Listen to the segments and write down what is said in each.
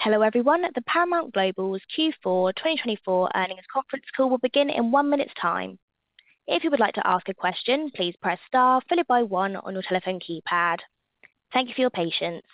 Hello everyone, the Paramount Global's Q4 2024 earnings conference call will begin in one minute's time. If you would like to ask a question, please press star followed by one on your telephone keypad. Thank you for your patience.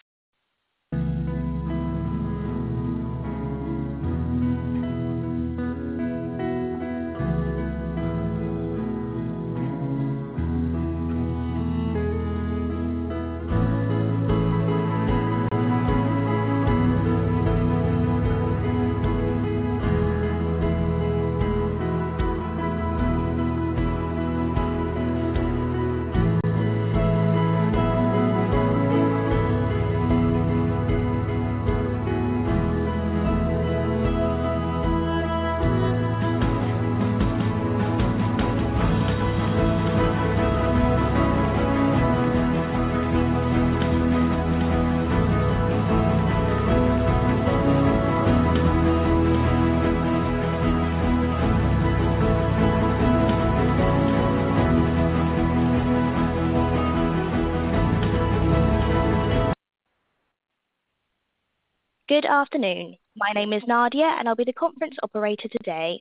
Good afternoon, my name is Nadia and I'll be the conference operator today.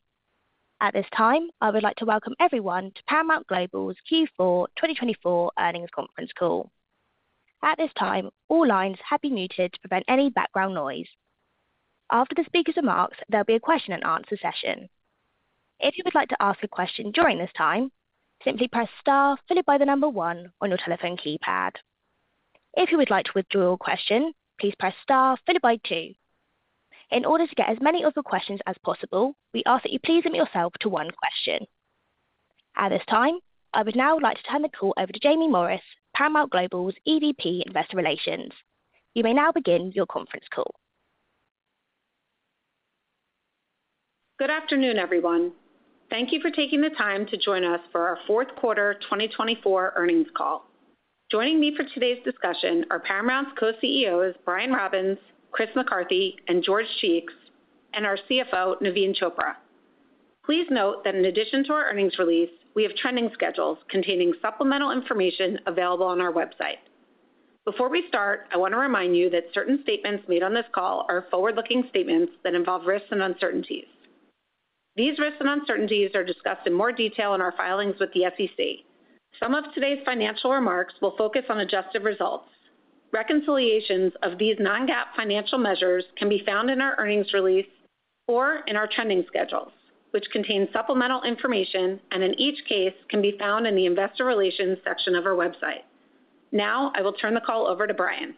At this time, I would like to welcome everyone to Paramount Global's Q4 2024 earnings conference call. At this time, all lines have been muted to prevent any background noise. After the speaker's remarks, there'll be a question and answer session. If you would like to ask a question during this time, simply press star followed by the number one on your telephone keypad. If you would like to withdraw your question, please press star followed by two. In order to get as many of your questions as possible, we ask that you please limit yourself to one question. At this time, I would now like to turn the call over to Jaimie Morris, Paramount Global's EVP Investor Relations. You may now begin your conference call. Good afternoon everyone. Thank you for taking the time to join us for our fourth quarter 2024 earnings call. Joining me for today's discussion are Paramount's co-CEOs Brian Robbins, Chris McCarthy, and George Cheeks, and our CFO Naveen Chopra. Please note that in addition to our earnings release, we have trending schedules containing supplemental information available on our website. Before we start, I want to remind you that certain statements made on this call are forward-looking statements that involve risks and uncertainties. These risks and uncertainties are discussed in more detail in our filings with the SEC. Some of today's financial remarks will focus on adjusted results. Reconciliations of these non-GAAP financial measures can be found in our earnings release or in our trending schedules, which contain supplemental information and in each case can be found in the Investor Relations section of our website. Now I will turn the call over to Brian.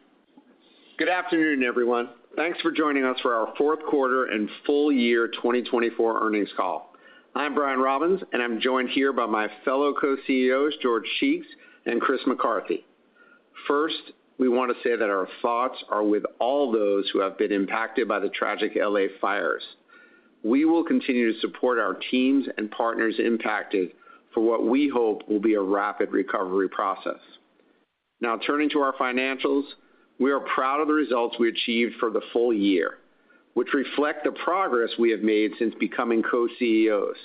Good afternoon everyone. Thanks for joining us for our fourth quarter and full year 2024 earnings call. I'm Brian Robbins and I'm joined here by my fellow co-CEOs George Cheeks and Chris McCarthy. First, we want to say that our thoughts are with all those who have been impacted by the tragic LA fires. We will continue to support our teams and partners impacted for what we hope will be a rapid recovery process. Now turning to our financials, we are proud of the results we achieved for the full year, which reflect the progress we have made since becoming co-CEOs.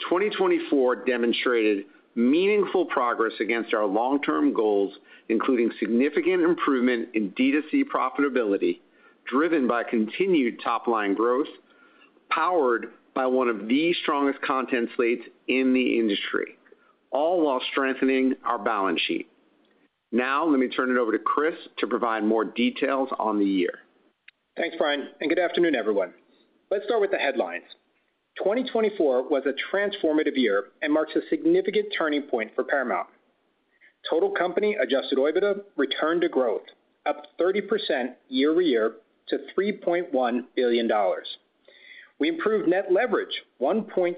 2024 demonstrated meaningful progress against our long-term goals, including significant improvement in D2C profitability driven by continued top-line growth, powered by one of the strongest content slates in the industry, all while strengthening our balance sheet. Now let me turn it over to Chris to provide more details on the year. Thanks Brian and good afternoon everyone. Let's start with the headlines. 2024 was a transformative year and marks a significant turning point for Paramount. Total company Adjusted EBITDA returned to growth, up 30% year over year to $3.1 billion. We improved net leverage 1.3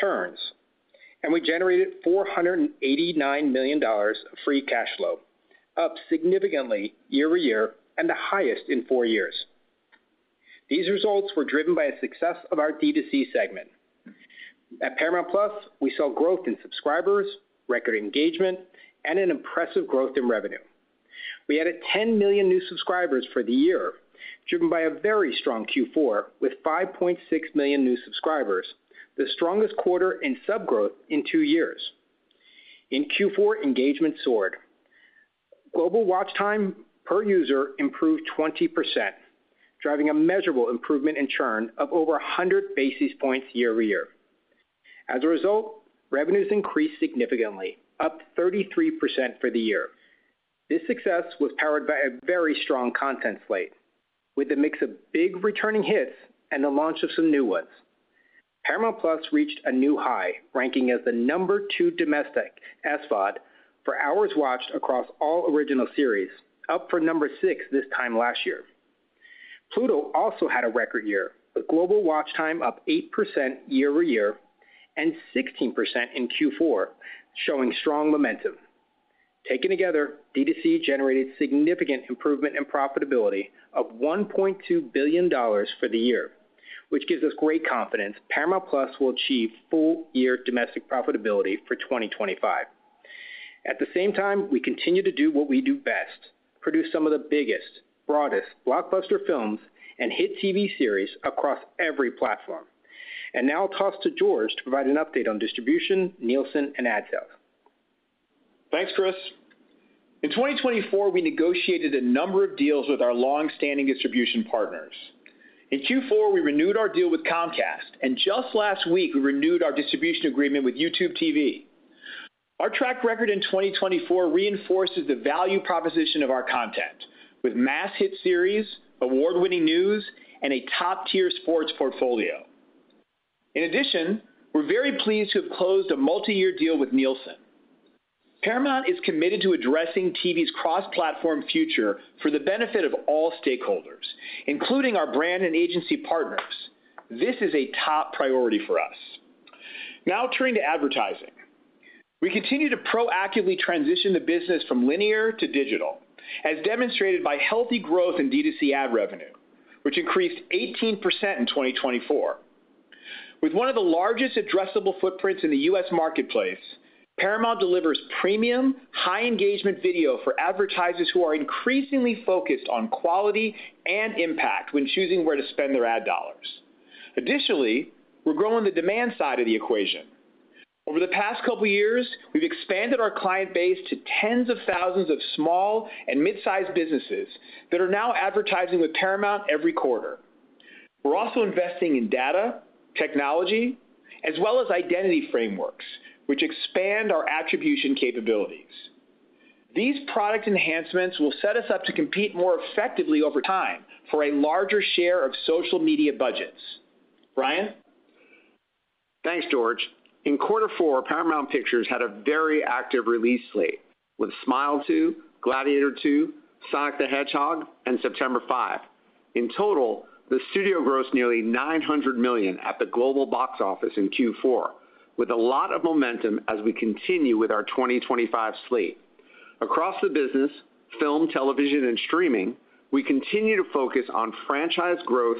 turns, and we generated $489 million of free cash flow, up significantly year over year and the highest in four years. These results were driven by the success of our D2C segment. At Paramount+, we saw growth in subscribers, record engagement, and an impressive growth in revenue. We added 10 million new subscribers for the year, driven by a very strong Q4 with 5.6 million new subscribers, the strongest quarter in sub growth in two years. In Q4, engagement soared. Global watch time per user improved 20%, driving a measurable improvement in churn of over 100 basis points year over year. As a result, revenues increased significantly, up 33% for the year. This success was powered by a very strong content slate, with a mix of big returning hits and the launch of some new ones. Paramount+ reached a new high, ranking as the number two domestic SVOD for hours watched across all original series, up from number six this time last year. Pluto also had a record year, with global watch time up 8% year over year and 16% in Q4, showing strong momentum. Taken together, D2C generated significant improvement in profitability of $1.2 billion for the year, which gives us great confidence Paramount+ will achieve full year domestic profitability for 2025. At the same time, we continue to do what we do best: produce some of the biggest, broadest blockbuster films and hit TV series across every platform. Now I'll toss to George to provide an update on distribution, Nielsen, and ad sales. Thanks Chris. In 2024, we negotiated a number of deals with our longstanding distribution partners. In Q4, we renewed our deal with Comcast, and just last week we renewed our distribution agreement with YouTube TV. Our track record in 2024 reinforces the value proposition of our content, with mass hit series, award-winning news, and a top-tier sports portfolio. In addition, we're very pleased to have closed a multi-year deal with Nielsen. Paramount is committed to addressing TV's cross-platform future for the benefit of all stakeholders, including our brand and agency partners. This is a top priority for us. Now turning to advertising, we continue to proactively transition the business from linear to digital, as demonstrated by healthy growth in D2C ad revenue, which increased 18% in 2024. With one of the largest addressable footprints in the U.S. marketplace, Paramount delivers premium, high-engagement video for advertisers who are increasingly focused on quality and impact when choosing where to spend their ad dollars. Additionally, we're growing the demand side of the equation. Over the past couple of years, we've expanded our client base to tens of thousands of small and mid-sized businesses that are now advertising with Paramount every quarter. We're also investing in data, technology, as well as identity frameworks, which expand our attribution capabilities. These product enhancements will set us up to compete more effectively over time for a larger share of social media budgets. Brian? Thanks George. In quarter four, Paramount Pictures had a very active release slate with Smile 2, Gladiator II, Sonic the Hedgehog, and September 5. In total, the studio grossed nearly $900 million at the global box office in Q4, with a lot of momentum as we continue with our 2025 slate. Across the business, film, television, and streaming, we continue to focus on franchise growth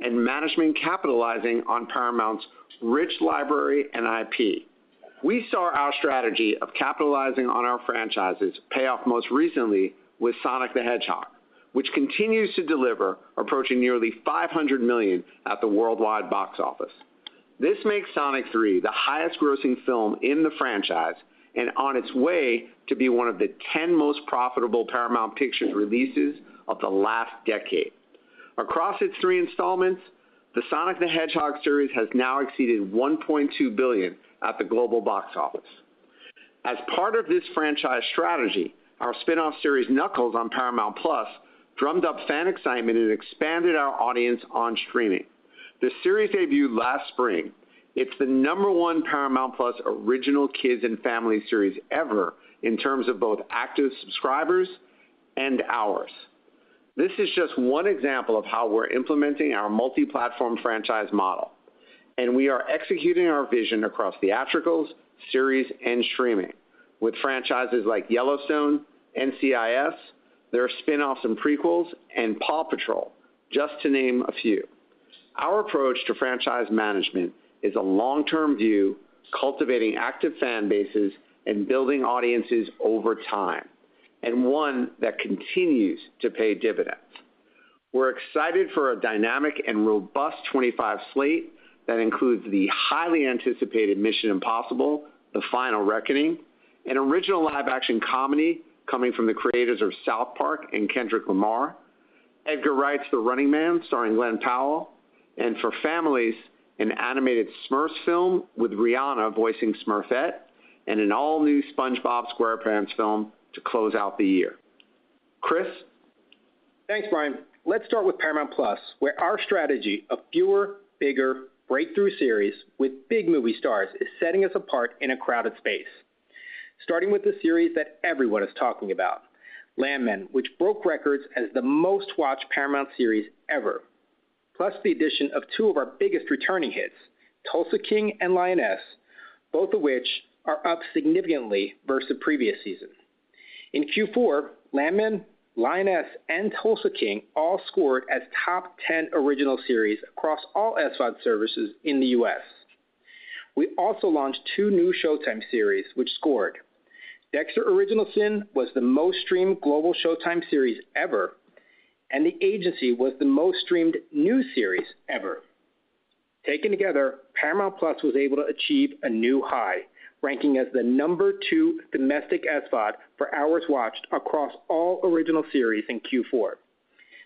and management capitalizing on Paramount's rich library and IP. We saw our strategy of capitalizing on our franchises pay off most recently with Sonic the Hedgehog, which continues to deliver, approaching nearly $500 million at the worldwide box office. This makes Sonic 3 the highest-grossing film in the franchise and on its way to be one of the 10 most profitable Paramount Pictures releases of the last decade. Across its three installments, the Sonic the Hedgehog series has now exceeded $1.2 billion at the global box office. As part of this franchise strategy, our spinoff series Knuckles on Paramount+ drummed up fan excitement and expanded our audience on streaming. The series debuted last spring. It's the number one Paramount+ original kids and family series ever in terms of both active subscribers and hours. This is just one example of how we're implementing our multi-platform franchise model, and we are executing our vision across theatricals, series, and streaming with franchises like Yellowstone, NCIS, their spinoffs and prequels, and PAW Patrol, just to name a few. Our approach to franchise management is a long-term view, cultivating active fan bases and building audiences over time, and one that continues to pay dividends. We're excited for a dynamic and robust '25 slate that includes the highly anticipated Mission: Impossible, The Final Reckoning, an original live-action comedy coming from the creators of South Park and Kendrick Lamar, Edgar Wright's The Running Man starring Glen Powell, and for families an animated Smurfs film with Rihanna voicing Smurfette, and an all-new SpongeBob SquarePants film to close out the year. Chris? Thanks, Brian. Let's start with Paramount+, where our strategy of fewer, bigger, breakthrough series with big movie stars is setting us apart in a crowded space. Starting with the series that everyone is talking about, Landman, which broke records as the most-watched Paramount series ever, plus the addition of two of our biggest returning hits, Tulsa King and Lioness, both of which are up significantly versus the previous season. In Q4, Landman, Lioness, and Tulsa King all scored as top 10 original series across all SVOD services in the U.S. We also launched two new Showtime series, which scored. Dexter: Original Sin was the most-streamed global Showtime series ever, and The Agency was the most-streamed new series ever. Taken together, Paramount+ was able to achieve a new high, ranking as the number two domestic SVOD for hours watched across all original series in Q4.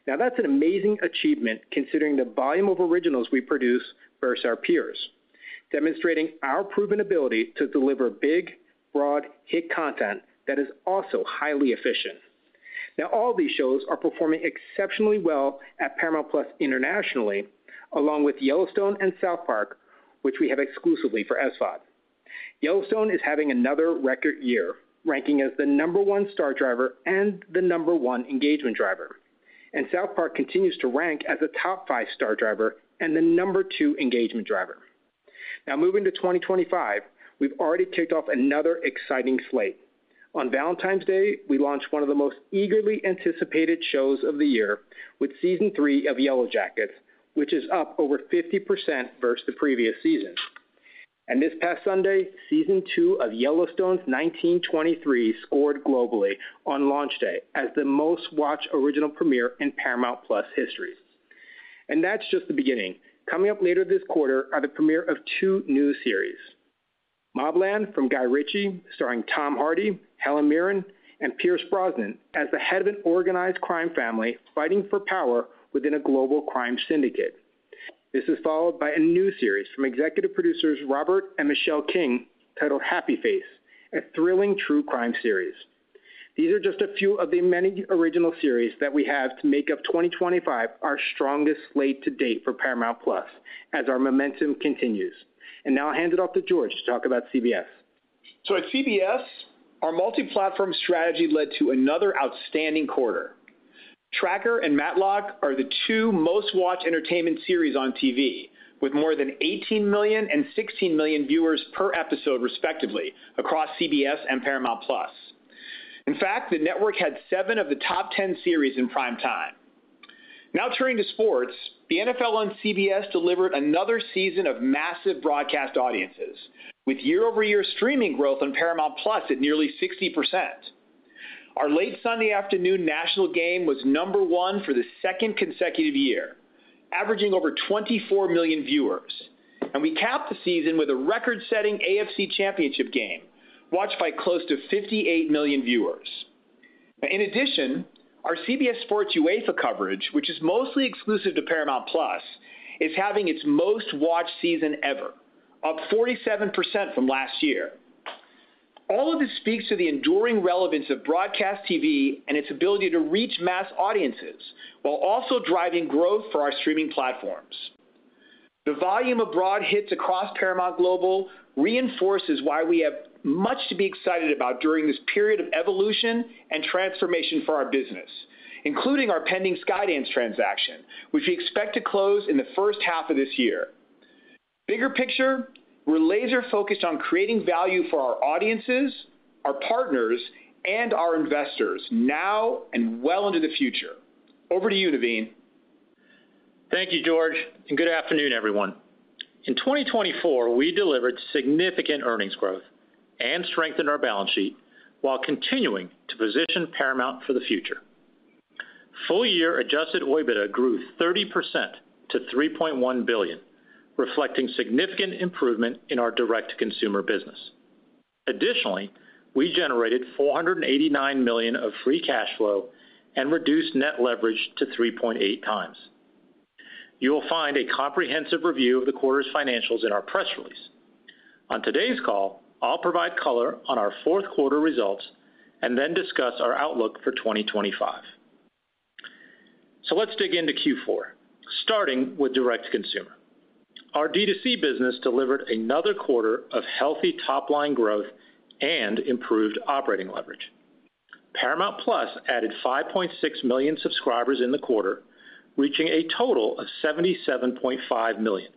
Now that's an amazing achievement considering the volume of originals we produce versus our peers, demonstrating our proven ability to deliver big, broad, hit content that is also highly efficient. Now all these shows are performing exceptionally well at Paramount+ internationally, along with Yellowstone and South Park, which we have exclusively for SVOD. Yellowstone is having another record year, ranking as the number one start driver and the number one engagement driver, and South Park continues to rank as a top five start driver and the number two engagement driver. Now moving to 2025, we've already kicked off another exciting slate. On Valentine's Day, we launched one of the most eagerly anticipated shows of the year with season three of Yellowjackets, which is up over 50% versus the previous season. This past Sunday, season two of Yellowstone's 1923 scored globally on launch day as the most-watched original premiere in Paramount+ history. That's just the beginning. Coming up later this quarter are the premiere of two new series, The Associate from Guy Ritchie starring Tom Hardy, Helen Mirren, and Pierce Brosnan as the head of an organized crime family fighting for power within a global crime syndicate. This is followed by a new series from executive producers Robert and Michelle King titled Happy Face, a thrilling true crime series. These are just a few of the many original series that we have to make of 2025 our strongest slate to date for Paramount+ as our momentum continues. Now I'll hand it off to George to talk about CBS. So at CBS, our multi-platform strategy led to another outstanding quarter. Tracker and Matlock are the two most-watched entertainment series on TV, with more than 18 million and 16 million viewers per episode respectively across CBS and Paramount+. In fact, the network had seven of the top 10 series in prime time. Now turning to sports, the NFL on CBS delivered another season of massive broadcast audiences, with year-over-year streaming growth on Paramount+ at nearly 60%. Our late Sunday afternoon national game was number one for the second consecutive year, averaging over 24 million viewers, and we capped the season with a record-setting AFC Championship game watched by close to 58 million viewers. In addition, our CBS Sports UEFA coverage, which is mostly exclusive to Paramount+, is having its most-watched season ever, up 47% from last year. All of this speaks to the enduring relevance of broadcast TV and its ability to reach mass audiences while also driving growth for our streaming platforms. The volume of broad hits across Paramount Global reinforces why we have much to be excited about during this period of evolution and transformation for our business, including our pending Skydance transaction, which we expect to close in the first half of this year. Bigger picture, we're laser-focused on creating value for our audiences, our partners, and our investors now and well into the future. Over to you, Naveen. Thank you, George, and good afternoon, everyone. In 2024, we delivered significant earnings growth and strengthened our balance sheet while continuing to position Paramount for the future. Full year adjusted EBITDA grew 30% to $3.1 billion, reflecting significant improvement in our direct-to-consumer business. Additionally, we generated $489 million of free cash flow and reduced net leverage to 3.8 times. You'll find a comprehensive review of the quarter's financials in our press release. On today's call, I'll provide color on our fourth quarter results and then discuss our outlook for 2025. So let's dig into Q4, starting with direct-to-consumer. Our D2C business delivered another quarter of healthy top-line growth and improved operating leverage. Paramount+ added 5.6 million subscribers in the quarter, reaching a total of 77.5 million.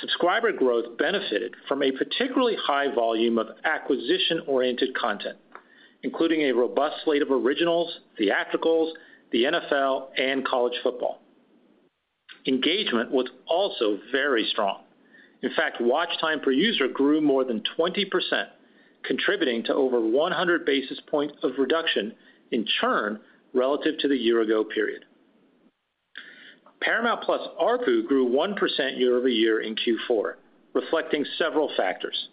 Subscriber growth benefited from a particularly high volume of acquisition-oriented content, including a robust slate of originals, theatricals, the NFL, and college football. Engagement was also very strong. In fact, watch time per user grew more than 20%, contributing to over 100 basis points of reduction in churn relative to the year-ago period. Paramount+ ARPU grew 1% year-over-year in Q4, reflecting several factors,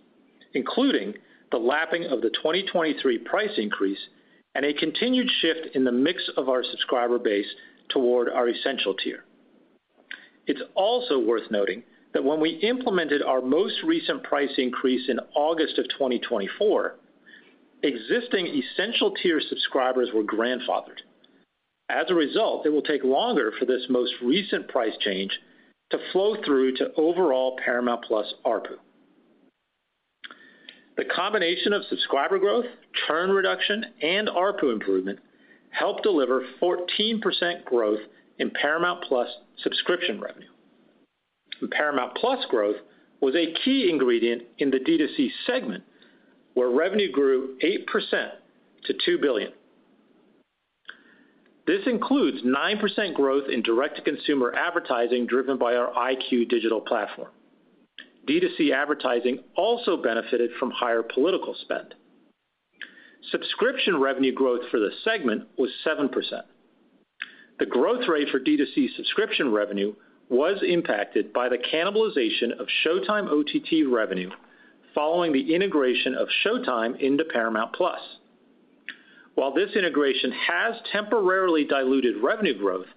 including the lapping of the 2023 price increase and a continued shift in the mix of our subscriber base toward our Essential tier. It's also worth noting that when we implemented our most recent price increase in August of 2024, existing Essential tier subscribers were grandfathered. As a result, it will take longer for this most recent price change to flow through to overall Paramount+ ARPU. The combination of subscriber growth, churn reduction, and ARPU improvement helped deliver 14% growth in Paramount+ subscription revenue. Paramount+ growth was a key ingredient in the D2C segment, where revenue grew 8% to $2 billion. This includes 9% growth in direct-to-consumer advertising driven by our EyeQ digital platform. D2C advertising also benefited from higher political spend. Subscription revenue growth for the segment was 7%. The growth rate for D2C subscription revenue was impacted by the cannibalization of Showtime OTT revenue following the integration of Showtime into Paramount+. While this integration has temporarily diluted revenue growth,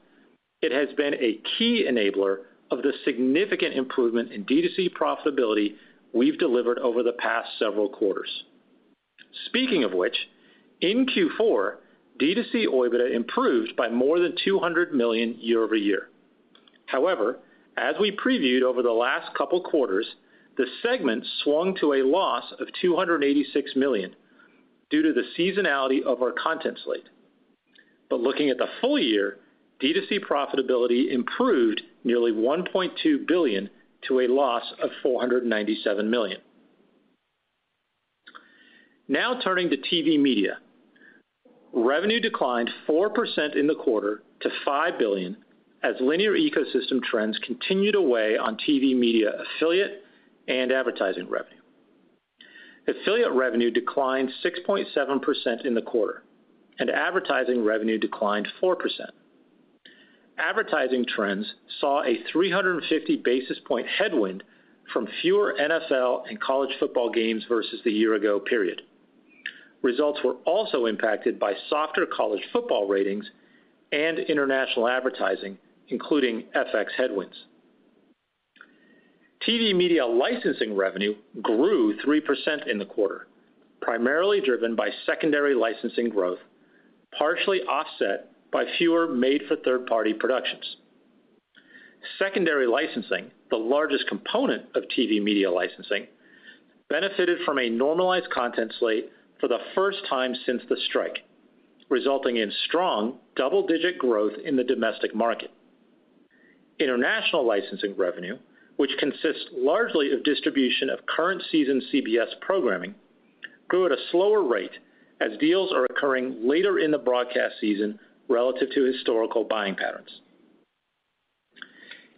it has been a key enabler of the significant improvement in D2C profitability we've delivered over the past several quarters. Speaking of which, in Q4, D2C EBITDA improved by more than $200 million year-over-year. However, as we previewed over the last couple of quarters, the segment swung to a loss of $286 million due to the seasonality of our content slate. But looking at the full year, D2C profitability improved nearly $1.2 billion to a loss of $497 million. Now turning to TV media, revenue declined 4% in the quarter to $5 billion as linear ecosystem trends continued to weigh on TV media affiliate and advertising revenue. Affiliate revenue declined 6.7% in the quarter, and advertising revenue declined 4%. Advertising trends saw a 350 basis points headwind from fewer NFL and college football games versus the year-ago period. Results were also impacted by softer college football ratings and international advertising, including FX headwinds. TV media licensing revenue grew 3% in the quarter, primarily driven by secondary licensing growth, partially offset by fewer made-for-third-party productions. Secondary licensing, the largest component of TV media licensing, benefited from a normalized content slate for the first time since the strike, resulting in strong double-digit growth in the domestic market. International licensing revenue, which consists largely of distribution of current season CBS programming, grew at a slower rate as deals are occurring later in the broadcast season relative to historical buying patterns.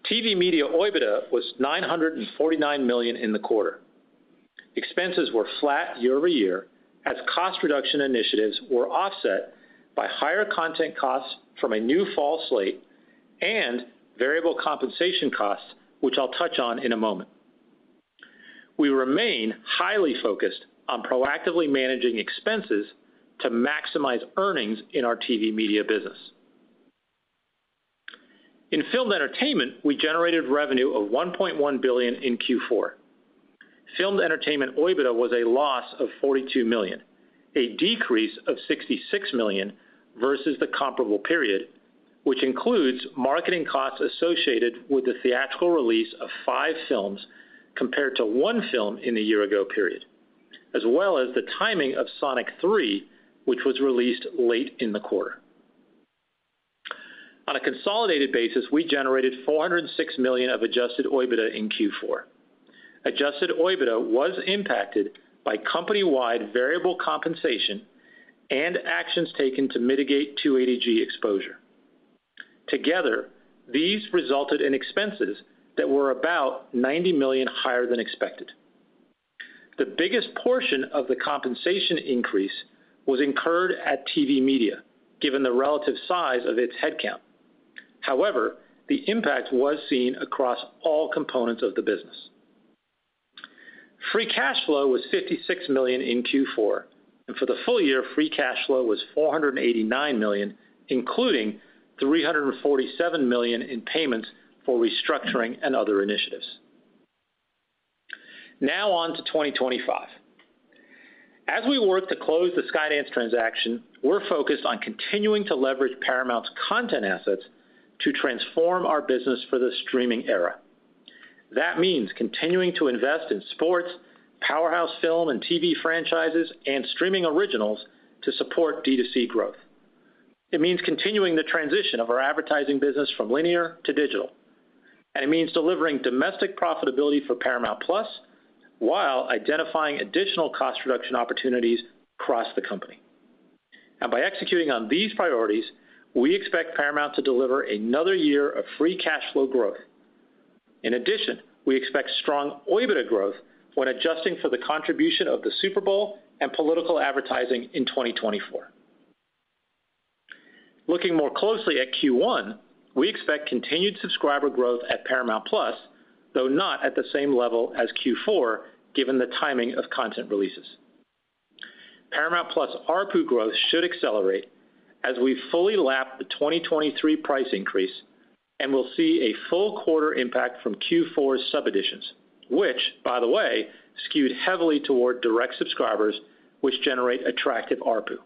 TV media EBITDA was $949 million in the quarter. Expenses were flat year-over-year as cost reduction initiatives were offset by higher content costs from a new fall slate and variable compensation costs, which I'll touch on in a moment. We remain highly focused on proactively managing expenses to maximize earnings in our TV media business. In film entertainment, we generated revenue of $1.1 billion in Q4. Film entertainment EBITDA was a loss of $42 million, a decrease of $66 million versus the comparable period, which includes marketing costs associated with the theatrical release of five films compared to one film in the year-ago period, as well as the timing of Sonic 3, which was released late in the quarter. On a consolidated basis, we generated $406 million of adjusted EBITDA in Q4. Adjusted EBITDA was impacted by company-wide variable compensation and actions taken to mitigate 280G exposure. Together, these resulted in expenses that were about $90 million higher than expected. The biggest portion of the compensation increase was incurred at TV media, given the relative size of its headcount. However, the impact was seen across all components of the business. Free cash flow was $56 million in Q4, and for the full year, free cash flow was $489 million, including $347 million in payments for restructuring and other initiatives. Now on to 2025. As we work to close the Skydance transaction, we're focused on continuing to leverage Paramount's content assets to transform our business for the streaming era. That means continuing to invest in sports, powerhouse film and TV franchises, and streaming originals to support DTC growth. It means continuing the transition of our advertising business from linear to digital. And it means delivering domestic profitability for Paramount+ while identifying additional cost reduction opportunities across the company. And by executing on these priorities, we expect Paramount to deliver another year of free cash flow growth. In addition, we expect strong EBITDA growth when adjusting for the contribution of the Super Bowl and political advertising in 2024. Looking more closely at Q1, we expect continued subscriber growth at Paramount+, though not at the same level as Q4, given the timing of content releases. Paramount+ ARPU growth should accelerate as we fully lap the 2023 price increase and will see a full quarter impact from Q4's sub-additions, which, by the way, skewed heavily toward direct subscribers, which generate attractive ARPU.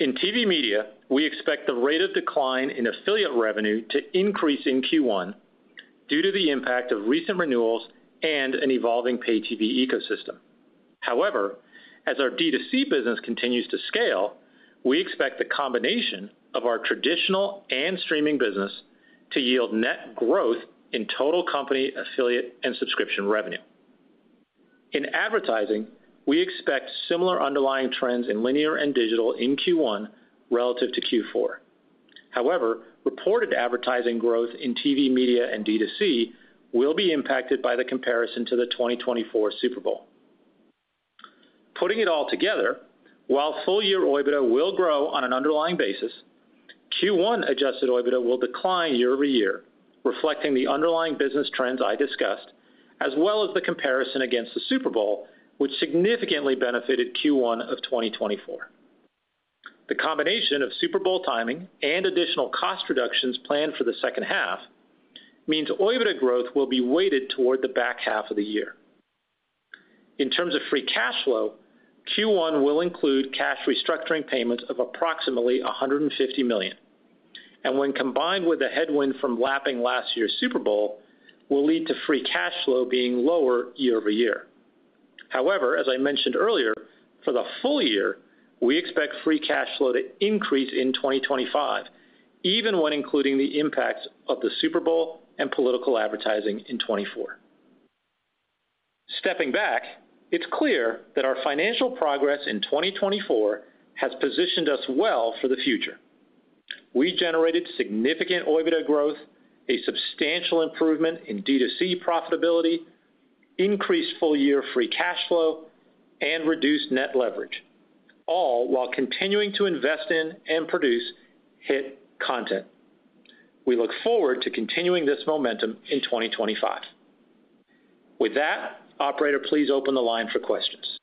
In TV media, we expect the rate of decline in affiliate revenue to increase in Q1 due to the impact of recent renewals and an evolving pay-TV ecosystem. However, as our D2C business continues to scale, we expect the combination of our traditional and streaming business to yield net growth in total company affiliate and subscription revenue. In advertising, we expect similar underlying trends in linear and digital in Q1 relative to Q4. However, reported advertising growth in TV media and D2C will be impacted by the comparison to the 2024 Super Bowl. Putting it all together, while full-year EBITDA will grow on an underlying basis, Q1 adjusted EBITDA will decline year-over-year, reflecting the underlying business trends I discussed, as well as the comparison against the Super Bowl, which significantly benefited Q1 of 2024. The combination of Super Bowl timing and additional cost reductions planned for the second half means EBITDA growth will be weighted toward the back half of the year. In terms of free cash flow, Q1 will include cash restructuring payments of approximately $150 million, and when combined with the headwind from lapping last year's Super Bowl, will lead to free cash flow being lower year-over-year. However, as I mentioned earlier, for the full year, we expect free cash flow to increase in 2025, even when including the impacts of the Super Bowl and political advertising in 2024. Stepping back, it's clear that our financial progress in 2024 has positioned us well for the future. We generated significant EBITDA growth, a substantial improvement in DTC profitability, increased full-year free cash flow, and reduced net leverage, all while continuing to invest in and produce hit content. We look forward to continuing this momentum in 2025. With that, operator, please open the line for questions.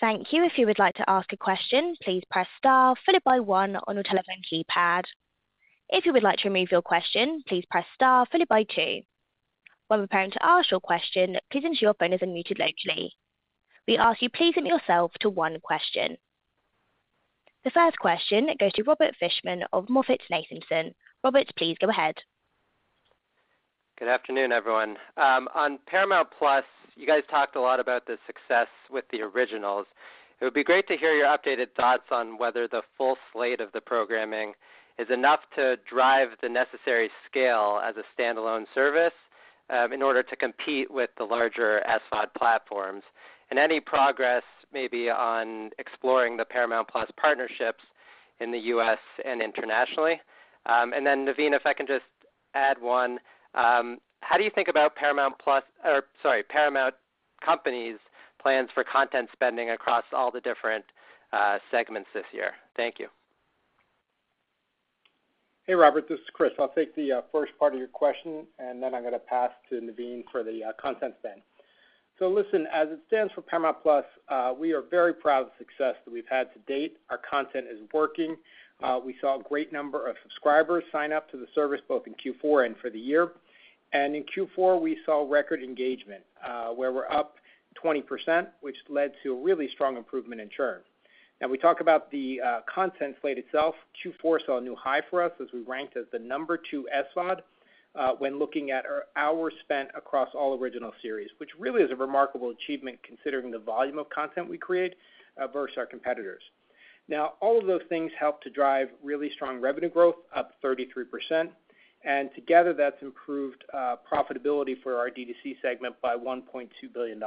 Thank you. If you would like to ask a question, please press star followed by one on your telephone keypad. If you would like to remove your question, please press star followed by two. When we're preparing to ask your question, please ensure your phone is unmuted locally. We ask you, please limit yourself to one question. The first question goes to Robert Fishman of MoffettNathanson. Robert, please go ahead. Good afternoon, everyone. On Paramount+, you guys talked a lot about the success with the originals. It would be great to hear your updated thoughts on whether the full slate of the programming is enough to drive the necessary scale as a standalone service in order to compete with the larger SVOD platforms, and any progress may be on exploring the Paramount+ partnerships in the U.S. and internationally, and then, Naveen, if I can just add one, how do you think about Paramount+ or, sorry, Paramount Company's plans for content spending across all the different segments this year? Thank you. Hey, Robert, this is Chris. I'll take the first part of your question, and then I'm going to pass to Naveen for the content spend, so listen, as it stands for Paramount+, we are very proud of the success that we've had to date. Our content is working. We saw a great number of subscribers sign up to the service both in Q4 and for the year, and in Q4, we saw record engagement, where we're up 20%, which led to a really strong improvement in churn. Now, we talk about the content slate itself. Q4 saw a new high for us as we ranked as the number two SVOD when looking at our hours spent across all original series, which really is a remarkable achievement considering the volume of content we create versus our competitors. Now, all of those things helped to drive really strong revenue growth up 33%, and together that's improved profitability for our D2C segment by $1.2 billion.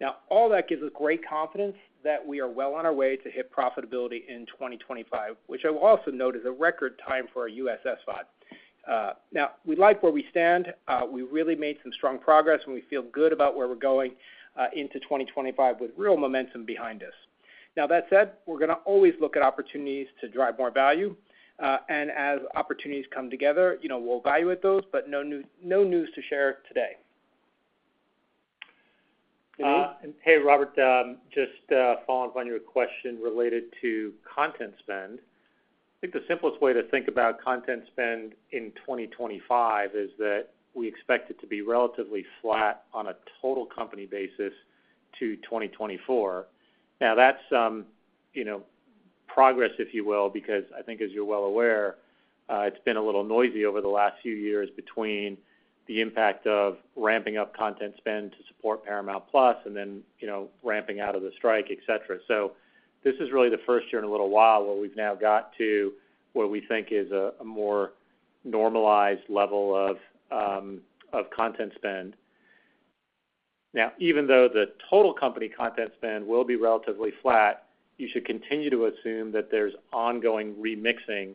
Now, all that gives us great confidence that we are well on our way to hit profitability in 2025, which I will also note is a record time for our US SVOD. Now, we like where we stand. We really made some strong progress, and we feel good about where we're going into 2025 with real momentum behind us. Now, that said, we're going to always look at opportunities to drive more value, and as opportunities come together, we'll evaluate those, but no news to share today. Hey, Robert, just following up on your question related to content spend. I think the simplest way to think about content spend in 2025 is that we expect it to be relatively flat on a total company basis to 2024. Now, that's progress, if you will, because I think, as you're well aware, it's been a little noisy over the last few years between the impact of ramping up content spend to support Paramount+ and then ramping out of the strike, etc. So this is really the first year in a little while where we've now got to what we think is a more normalized level of content spend. Now, even though the total company content spend will be relatively flat, you should continue to assume that there's ongoing remixing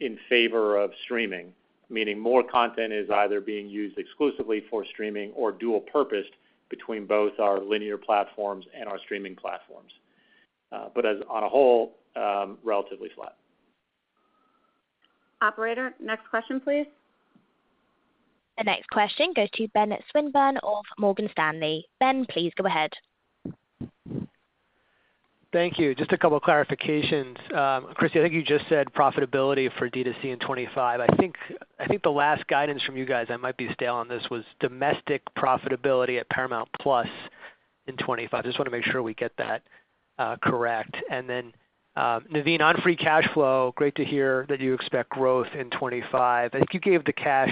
in favor of streaming, meaning more content is either being used exclusively for streaming or dual-purposed between both our linear platforms and our streaming platforms. But on the whole, relatively flat. Operator, next question, please. The next question goes to Ben Swinburne of Morgan Stanley. Ben, please go ahead. Thank you. Just a couple of clarifications. Chris, I think you just said profitability for D2C in 2025. I think the last guidance from you guys—I might be stale on this—was domestic profitability at Paramount+ in 2025. Just want to make sure we get that correct. And then, Naveen, on free cash flow, great to hear that you expect growth in 2025. I think you gave the cash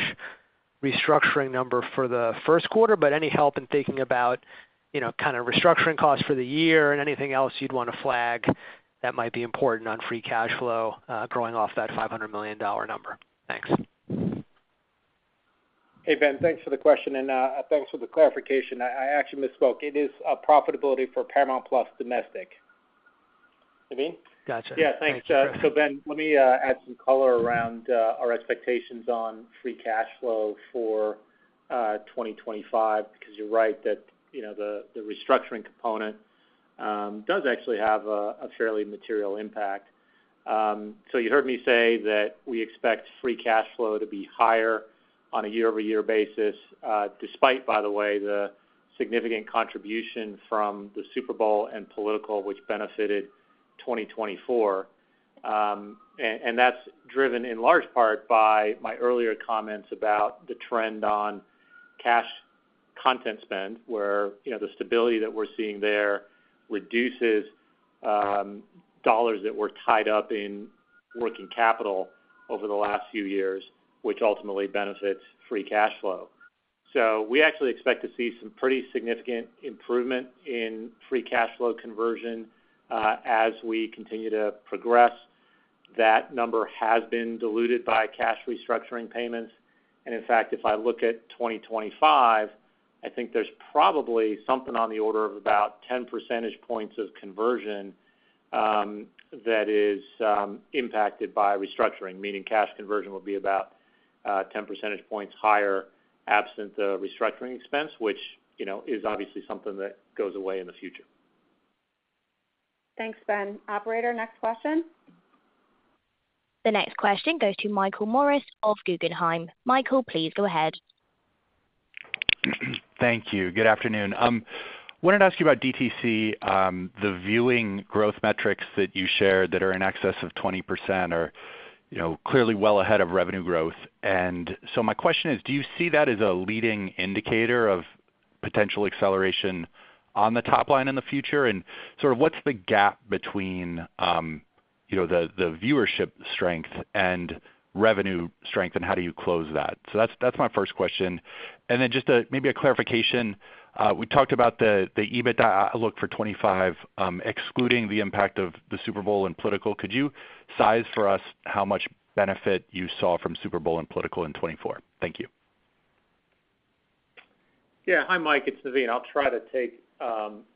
restructuring number for the first quarter, but any help in thinking about kind of restructuring costs for the year and anything else you'd want to flag that might be important on free cash flow growing off that $500 million number? Thanks. Hey, Ben, thanks for the question and thanks for the clarification. I actually misspoke. It is profitability for Paramount+ domestic. Naveen? Gotcha. Yeah, thanks. So, Ben, let me add some color around our expectations on free cash flow for 2025 because you're right that the restructuring component does actually have a fairly material impact. So you heard me say that we expect free cash flow to be higher on a year-over-year basis, despite, by the way, the significant contribution from the Super Bowl and political, which benefited 2024. And that's driven in large part by my earlier comments about the trend on cash content spend, where the stability that we're seeing there reduces dollars that were tied up in working capital over the last few years, which ultimately benefits free cash flow. So we actually expect to see some pretty significant improvement in free cash flow conversion as we continue to progress. That number has been diluted by cash restructuring payments. In fact, if I look at 2025, I think there's probably something on the order of about 10 percentage points of conversion that is impacted by restructuring, meaning cash conversion would be about 10 percentage points higher absent the restructuring expense, which is obviously something that goes away in the future. Thanks, Ben. Operator, next question. The next question goes to Michael Morris of Guggenheim. Michael, please go ahead. Thank you. Good afternoon. I wanted to ask you about DTC, the viewing growth metrics that you shared that are in excess of 20% or clearly well ahead of revenue growth. And so my question is, do you see that as a leading indicator of potential acceleration on the top line in the future? And sort of what's the gap between the viewership strength and revenue strength, and how do you close that? So that's my first question. And then just maybe a clarification. We talked about the EBITDA outlook for 2025, excluding the impact of the Super Bowl and political. Could you size for us how much benefit you saw from Super Bowl and political in 2024? Thank you. Yeah. Hi, Mike. It's Naveen. I'll try to take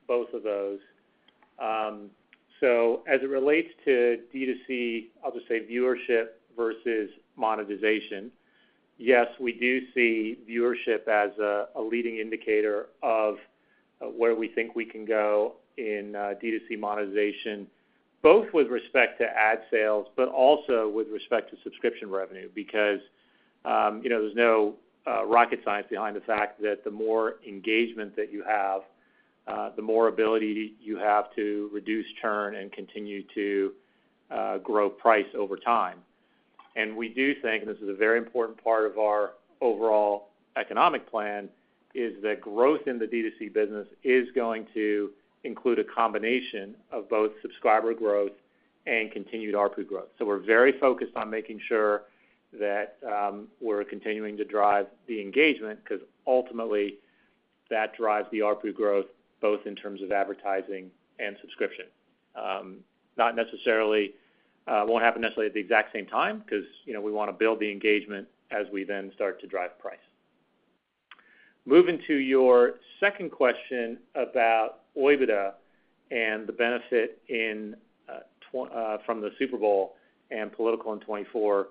both of those. So as it relates to DTC, I'll just say viewership versus monetization. Yes, we do see viewership as a leading indicator of where we think we can go in DTC monetization, both with respect to ad sales, but also with respect to subscription revenue, because there's no rocket science behind the fact that the more engagement that you have, the more ability you have to reduce churn and continue to grow price over time, and we do think, and this is a very important part of our overall economic plan, is that growth in the DTC business is going to include a combination of both subscriber growth and continued ARPU growth. So we're very focused on making sure that we're continuing to drive the engagement because ultimately that drives the ARPU growth both in terms of advertising and subscription. It won't happen necessarily at the exact same time because we want to build the engagement as we then start to drive price. Moving to your second question about EBITDA and the benefit from the Super Bowl and political in 2024,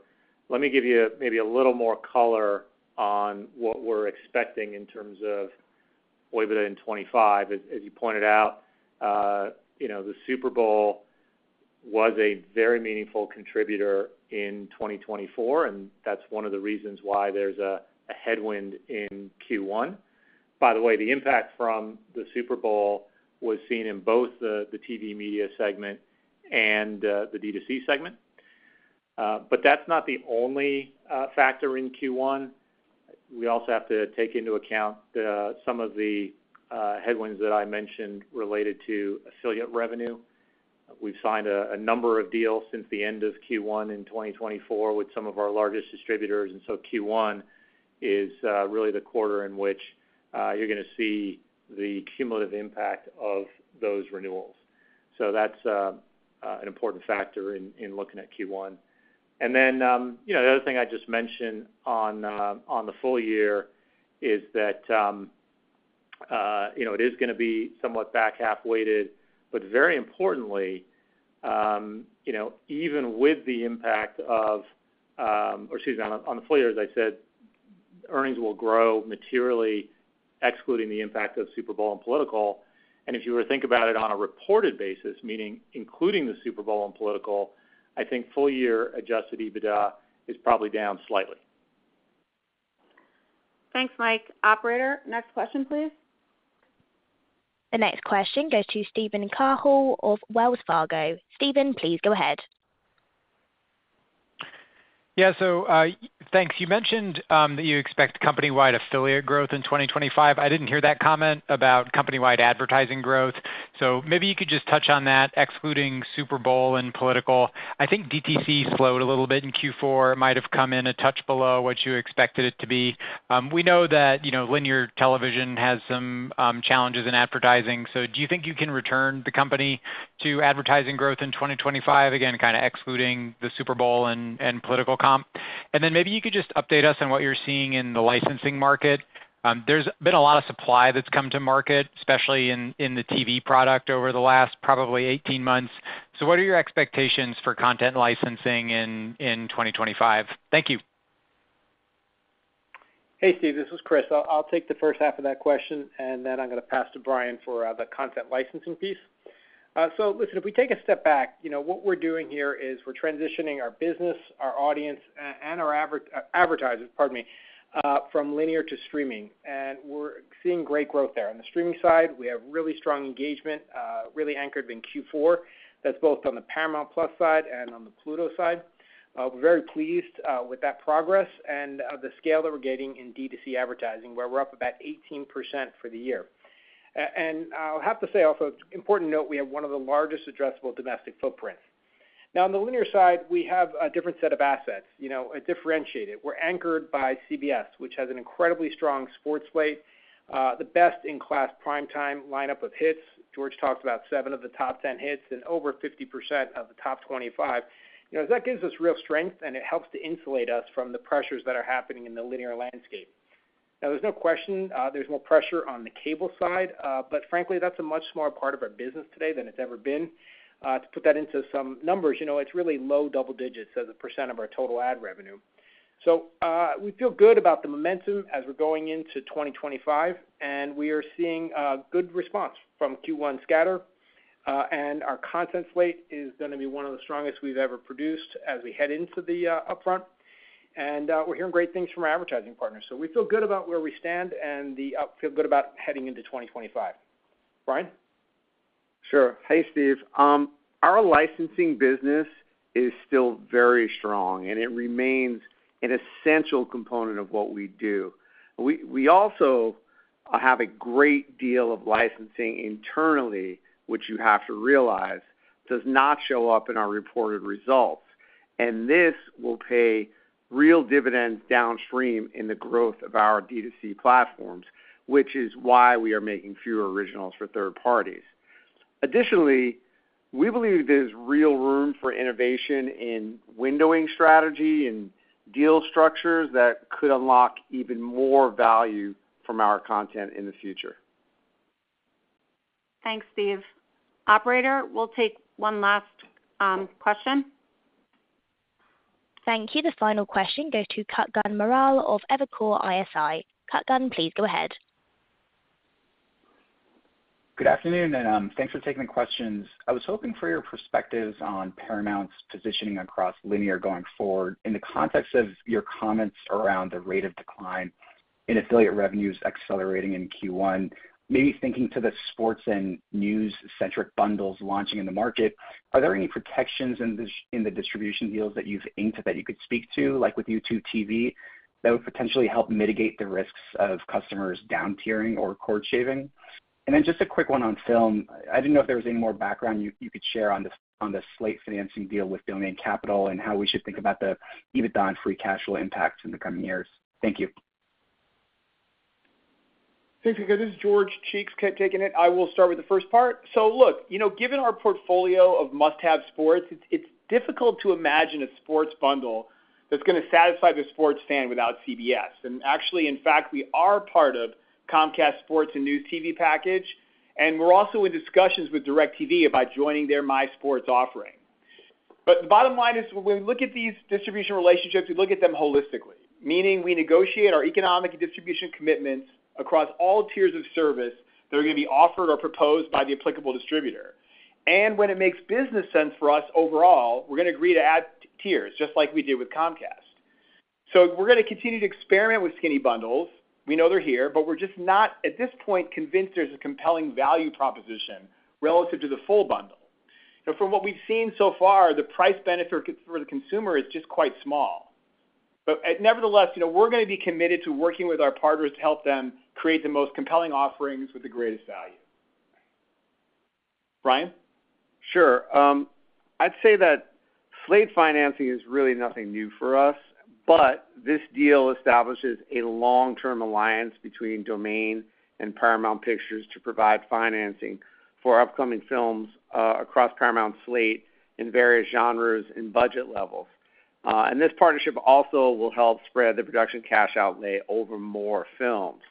let me give you maybe a little more color on what we're expecting in terms of EBITDA in 2025. As you pointed out, the Super Bowl was a very meaningful contributor in 2024, and that's one of the reasons why there's a headwind in Q1. By the way, the impact from the Super Bowl was seen in both the TV media segment and the DTC segment. But that's not the only factor in Q1. We also have to take into account some of the headwinds that I mentioned related to affiliate revenue. We've signed a number of deals since the end of Q1 in 2024 with some of our largest distributors. And so Q1 is really the quarter in which you're going to see the cumulative impact of those renewals. So that's an important factor in looking at Q1. And then the other thing I just mentioned on the full year is that it is going to be somewhat back half-weighted. But very importantly, even with the impact of, or excuse me, on the full year, as I said, earnings will grow materially, excluding the impact of Super Bowl and political. And if you were to think about it on a reported basis, meaning including the Super Bowl and political, I think full-year Adjusted EBITDA is probably down slightly. Thanks, Mike. Operator, next question, please. The next question goes to Steven Cahall of Wells Fargo. Steven, please go ahead. Yeah. So thanks. You mentioned that you expect company-wide affiliate growth in 2025. I didn't hear that comment about company-wide advertising growth. So maybe you could just touch on that, excluding Super Bowl and political. I think DTC slowed a little bit in Q4. It might have come in a touch below what you expected it to be. We know that linear television has some challenges in advertising. So do you think you can return the company to advertising growth in 2025? Again, kind of excluding the Super Bowl and political comp. And then maybe you could just update us on what you're seeing in the licensing market. There's been a lot of supply that's come to market, especially in the TV product over the last probably 18 months. So what are your expectations for content licensing in 2025? Thank you. Hey, Steve, this is Chris. I'll take the first half of that question, and then I'm going to pass to Brian for the content licensing piece. So listen, if we take a step back, what we're doing here is we're transitioning our business, our audience, and our advertisers, pardon me, from linear to streaming. And we're seeing great growth there. On the streaming side, we have really strong engagement, really anchored in Q4. That's both on the Paramount Plus side and on the Pluto side. We're very pleased with that progress and the scale that we're getting in DTC advertising, where we're up about 18% for the year. And I'll have to say, also, important note, we have one of the largest addressable domestic footprints. Now, on the linear side, we have a different set of assets. Differentiate it. We're anchored by CBS, which has an incredibly strong sports slate: the best-in-class primetime lineup of hits. George talked about seven of the top 10 hits and over 50% of the top 25. That gives us real strength, and it helps to insulate us from the pressures that are happening in the linear landscape. Now, there's no question there's more pressure on the cable side, but frankly, that's a much smaller part of our business today than it's ever been. To put that into some numbers, it's really low double digits as a % of our total ad revenue. So we feel good about the momentum as we're going into 2025, and we are seeing good response from Q1 scatter. And our content slate is going to be one of the strongest we've ever produced as we head into the upfront. And we're hearing great things from our advertising partner. So we feel good about where we stand, and I feel good about heading into 2025. Brian? Sure. Hey, Steve. Our licensing business is still very strong, and it remains an essential component of what we do. We also have a great deal of licensing internally, which you have to realize does not show up in our reported results. And this will pay real dividends downstream in the growth of our DTC platforms, which is why we are making fewer originals for third parties. Additionally, we believe there's real room for innovation in windowing strategy and deal structures that could unlock even more value from our content in the future. Thanks, Steve. Operator, we'll take one last question. Thank you. The final question goes to Kutgun Maral of Evercore ISI. Kutgun, please go ahead. Good afternoon, and thanks for taking the questions. I was hoping for your perspectives on Paramount's positioning across linear going forward in the context of your comments around the rate of decline in affiliate revenues accelerating in Q1, maybe thinking to the sports and news-centric bundles launching in the market. Are there any protections in the distribution deals that you've aimed at that you could speak to, like with YouTube TV, that would potentially help mitigate the risks of customers down-tiering or cord-shaving? And then just a quick one on film. I didn't know if there was any more background you could share on the slate financing deal with Domain Capital and how we should think about the EBITDA and free cash flow impacts in the coming years. Thank you. Thank you. This is George Cheeks kept taking it. I will start with the first part. So look, given our portfolio of must-have sports, it's difficult to imagine a sports bundle that's going to satisfy the sports fan without CBS. And actually, in fact, we are part of Comcast sports and news TV package, and we're also in discussions with DirecTV about joining their my sports offering. But the bottom line is, when we look at these distribution relationships, we look at them holistically, meaning we negotiate our economic distribution commitments across all tiers of service that are going to be offered or proposed by the applicable distributor. And when it makes business sense for us overall, we're going to agree to add tiers, just like we did with Comcast. So we're going to continue to experiment with skinny bundles. We know they're here, but we're just not, at this point, convinced there's a compelling value proposition relative to the full bundle. From what we've seen so far, the price benefit for the consumer is just quite small. But nevertheless, we're going to be committed to working with our partners to help them create the most compelling offerings with the greatest value. Brian? Sure. I'd say that slate financing is really nothing new for us, but this deal establishes a long-term alliance between Domain and Paramount Pictures to provide financing for upcoming films across Paramount Slate in various genres and budget levels. And this partnership also will help spread the production cash outlay over more films.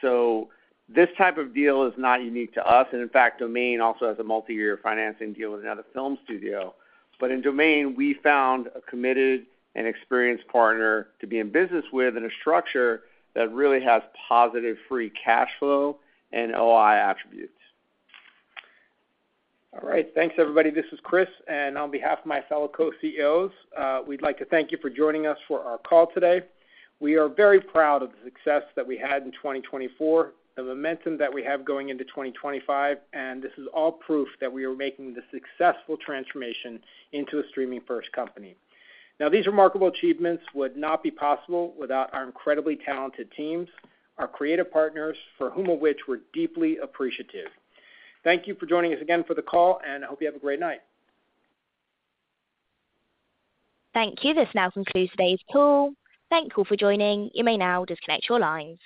So this type of deal is not unique to us. And in fact, Domain also has a multi-year financing deal with another film studio. But in Domain, we found a committed and experienced partner to be in business with and a structure that really has positive free cash flow and OI attributes. All right. Thanks, everybody. This is Chris. And on behalf of my fellow co-CEOs, we'd like to thank you for joining us for our call today. We are very proud of the success that we had in 2024, the momentum that we have going into 2025, and this is all proof that we are making the successful transformation into a streaming-first company. Now, these remarkable achievements would not be possible without our incredibly talented teams, our creative partners, for whom of which we're deeply appreciative. Thank you for joining us again for the call, and I hope you have a great night. Thank you. This now concludes today's call. Thank you for joining. You may now disconnect your lines.